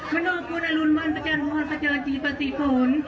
ขอโทษคุณอรุณวันประจันทร์วันประเจอจีบศิษย์ฝุ่น